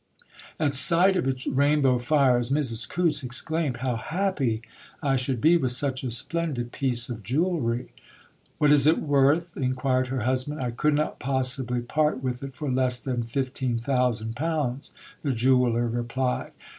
At sight of its rainbow fires Mrs Coutts exclaimed: "How happy I should be with such a splendid piece of jewellery!" "What is it worth?" enquired her husband. "I could not possibly part with it for less than £15,000," the jeweller replied.